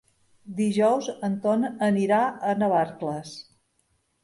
Dijous en Ton anirà a Navarcles.